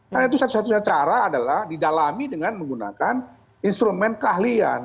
karena itu satu satunya cara adalah didalami dengan menggunakan instrumen keahlian